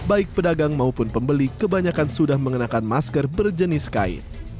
baik pedagang maupun pembeli kebanyakan sudah mengenakan masker berjenis kain